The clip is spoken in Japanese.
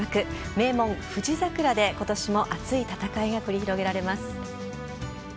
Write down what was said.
名門・富士桜で今年も熱い戦いが繰り広げられます。